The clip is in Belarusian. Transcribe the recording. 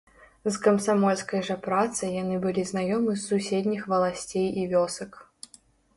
З камсамольскай жа працай яны былі знаёмы з суседніх валасцей і вёсак.